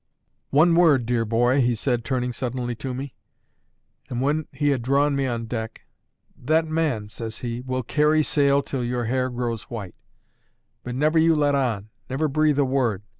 "One word, dear boy," he said, turning suddenly to me. And when he had drawn me on deck, "That man," says he, "will carry sail till your hair grows white; but never you let on, never breathe a word.